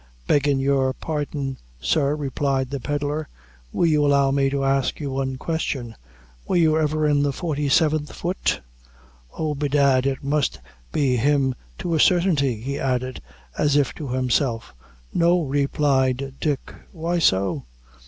"Beggin' your pardon, sir," replied the pedlar, "will you allow me to ask you one question; were you ever in the forty seventh foot? Oh, bedad, it must be him to a sartinty," he added, as if to himself. "No," replied Dick; "why so?"